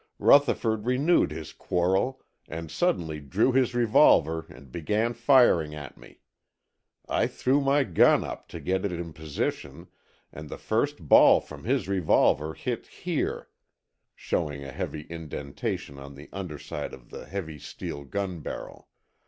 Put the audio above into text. Rutherford renewed his quarrel and suddenly drew his revolver and began firing at me. I threw my gun up to get it in position and the first ball from his revolver hit here" (showing a heavy indentation on the underside of the heavy steel gun barrel).